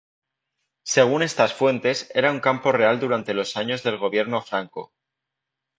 Según estas fuentes, era un campo real durante los años del gobierno franco.